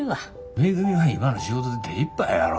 めぐみは今の仕事で手いっぱいやろ。